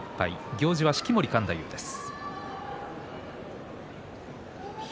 行司は式守勘太夫です。